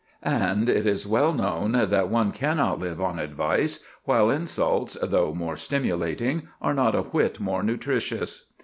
And it is well known that one cannot live on advice, while insults, though more stimulating, are not a whit more nutritious.